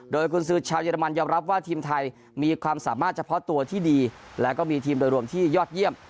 โดยกุญสือชาวเยอรมันยอมรับว่าทีมไทยมีความสามารถเฉพาะตัวที่ดีแล้วก็มีทีมโดยรวมที่ยอดเยี่ยม